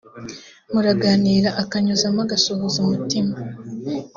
muraganira akanyuzamo agasuhuza umutima